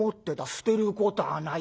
捨てることはないよ。